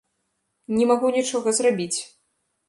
Не магу нічога зрабіць!